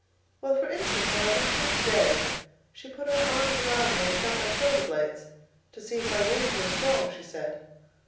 "Well, for instance, when I left her to day, she put her arms around me and felt my shoulder blades, to see if my wings were strong, she said.